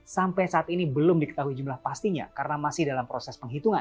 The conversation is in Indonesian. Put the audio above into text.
sampai saat ini belum diketahui jumlah pastinya karena masih dalam proses penghitungan